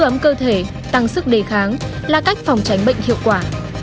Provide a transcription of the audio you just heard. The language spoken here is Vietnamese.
năng sức đề kháng là cách phòng tránh bệnh hiệu quả